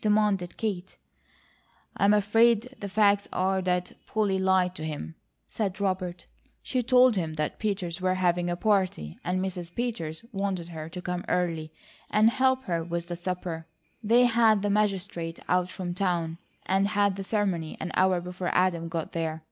demanded Kate. "I'm afraid the facts are that Polly lied to him," said Robert. "She told him that Peters were having a party, and Mrs. Peters wanted her to come early and help her with the supper. They had the Magistrate out from town and had the ceremony an hour before Adam got there.